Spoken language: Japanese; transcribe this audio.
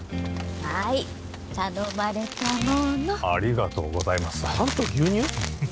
はい頼まれたものありがとうございますパンと牛乳？